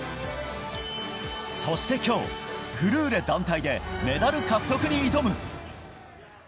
そして今日、フルーレ団体でメダル獲得に挑む。